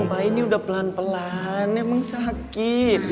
iya ini udah pelan pelan pak ini udah pelan pelan emang sakit